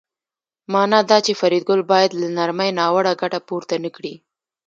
مانا دا چې فریدګل باید له نرمۍ ناوړه ګټه پورته نکړي